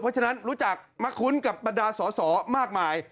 เพราะฉะนั้นรู้จักมะคุ้นกับบรรดาสอสอมากมาย